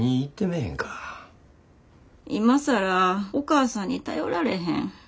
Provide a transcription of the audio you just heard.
今更お母さんに頼られへん。